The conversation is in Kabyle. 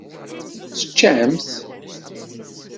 Teččam-t?